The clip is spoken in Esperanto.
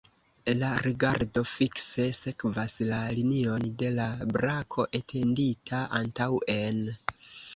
La rigardo fikse sekvas la linion de la brako etendita antaŭen.